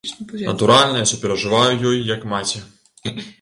Натуральна, я суперажываю ёй як маці.